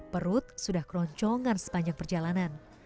perut sudah keroncongan sepanjang perjalanan